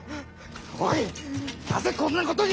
おいなぜこんなことになった！